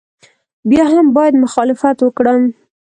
بیا هم باید مخالفت وکړم.